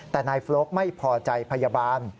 แต่นายโฟลกไม่พอใจพยาบาล